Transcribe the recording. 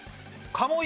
鴨居。